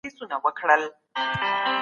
تاسو به په ځان ویاړئ.